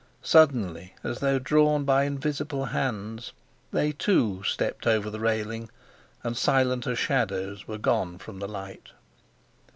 Suddenly, as though drawn by invisible hands, they, too, stepped over the railing, and, silent as shadows, were gone from the light.